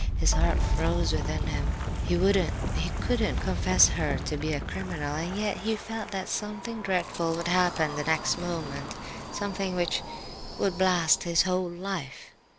His heart froze within him. He wouldn't, he couldn't confess her to be a criminal, and yet he felt that something dreadful would happen the next moment, something which would blast his whole life.